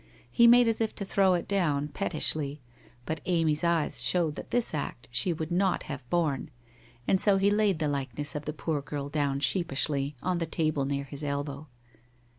He made as if to throw it down, pettishly, but Amy's eyes showed that this act she would not have borne, so he laid the likeness of the poor girl down sheepishly on the table near his elbow.